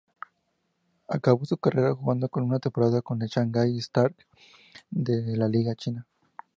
Acabó su carrera jugando una temporada en los Shanghai Sharks de la liga china.